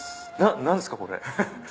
何すかこれ。